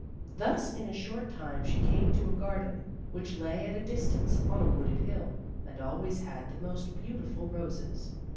Thus in a short time she came to a garden, which lay at a distance, on a wooded hill, and always had the most beautiful roses.